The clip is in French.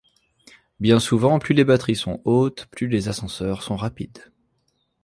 Bien souvent plus les batteries sont hautes, plus les ascenseurs sont rapides.